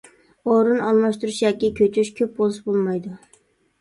ئورۇن ئالماشتۇرۇش ياكى كۆچۈش كۆپ بولسا بولمايدۇ.